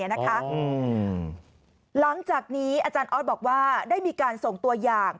หลังจากนี้อาจารย์ออสบอกว่าได้มีการส่งตัวอย่าง